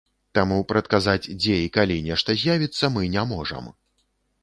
Таму прадказаць, дзе і калі нешта з'явіцца, мы не можам.